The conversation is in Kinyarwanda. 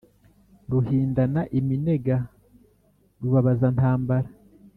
Ruhindana iminega, rubabazantambara